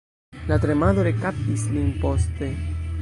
La tremado rekaptis lin poste.